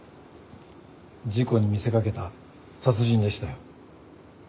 事故に見せ掛けた殺人でしたよ。